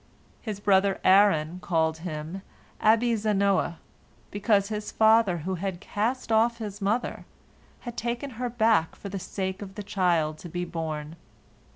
His brother Aaron called him Abi Zanoah, because his father, who had "cast off" his mother, had taken her back for the sake of the child to be born.